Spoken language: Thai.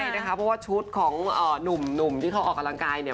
ใช่นะคะเพราะว่าชุดของหนุ่มที่เขาออกกำลังกายเนี่ย